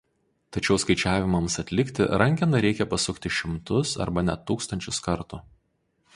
Tačiau skaičiavimams atlikti rankeną reikia pasukti šimtus arba net tūkstančius kartų.